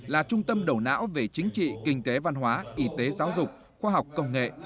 là trung tâm đầu não về chính trị kinh tế văn hóa y tế giáo dục khoa học công nghệ